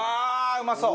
うまそう！